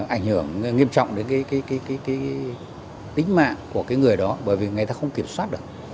ảnh hưởng nghiêm trọng đến cái tính mạng của cái người đó bởi vì người ta không kiểm soát được